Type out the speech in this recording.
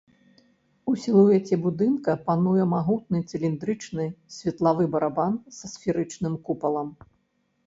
У сілуэце будынка пануе магутны цыліндрычны светлавы барабан са сферычным купалам.